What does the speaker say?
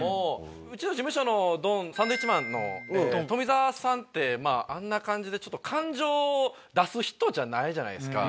うちの事務所のドンサンドウィッチマンの富澤さんってあんな感じで感情を出す人じゃないじゃないですか。